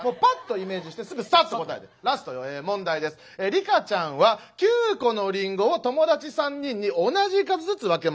リカちゃんは９個のリンゴを友達３人に同じ数ずつ分けました。